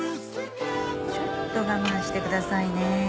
ちょっと我慢してくださいね。